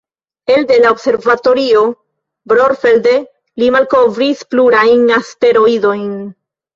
Elde la Observatorio Brorfelde, li malkovris plurajn asteroidojn.